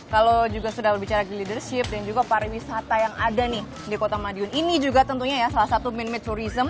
kalau sudah bicara di leadership dan pariwisata yang ada di kota madiun ini juga tentunya salah satu main main tourism